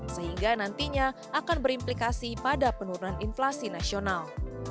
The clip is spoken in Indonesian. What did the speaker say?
sehingga nantinya akan berimplikasi pada penurunan inflasi nasional